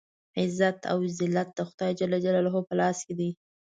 عزت او ذلت د خدای جل جلاله په لاس کې دی.